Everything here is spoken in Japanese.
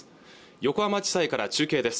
横浜地裁から中継です